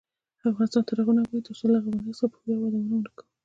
افغانستان تر هغو نه ابادیږي، ترڅو له افغانیت څخه په ویاړ یادونه نه کوو.